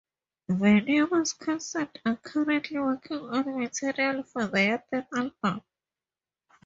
Venomous Concept are currently working on material for their third album.